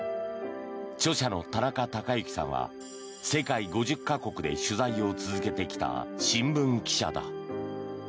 著者の田中孝幸さんは世界５０か国で取材を続けてきた新聞記者だ。